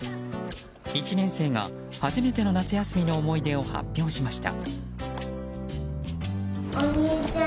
１年生が初めての夏休みの思い出を発表しました。